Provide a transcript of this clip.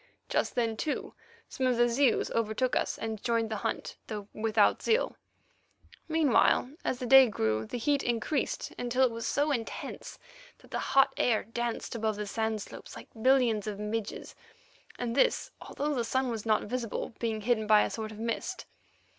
Just then, too, some of the Zeus overtook us and joined the hunt, though without zeal. Meanwhile, as the day grew, the heat increased until it was so intense that the hot air danced above the sand slopes like billions of midges, and this although the sun was not visible, being hidden by a sort of mist.